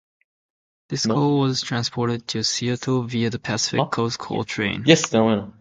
This coal was transported to Seattle via the Pacific Coast Coal train.